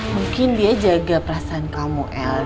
mungkin dia jaga perasaan kamu